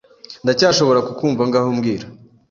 Ndacyashobora kukumva ngaho mbwira